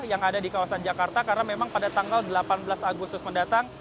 yang ada di kawasan jakarta karena memang pada tanggal delapan belas agustus mendatang